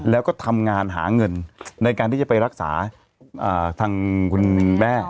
แล้วก็ทำงานหาเงินในการที่จะไปรักษาทางคุณแม่